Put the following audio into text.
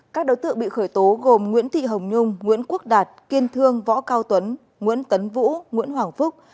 các đối tượng bị khởi tố gồm nguyễn thị hồng nhung nguyễn quốc đạt kiên thương võ cao tuấn nguyễn tấn vũ nguyễn hoàng phúc